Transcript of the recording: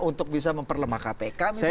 untuk bisa memperlemah kpk